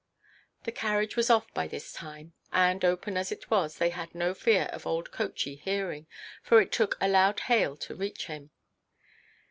The carriage was off by this time, and open as it was, they had no fear of old coachey hearing, for it took a loud hail to reach him.